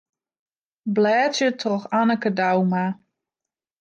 Blêdzje troch Anneke Douma.